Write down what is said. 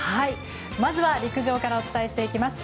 まずは陸上からお伝えします。